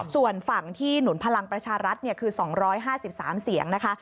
ส่วนฝั่งที่หนุนพลังประชารัฐคือ๒๕๓เสียงนะคะ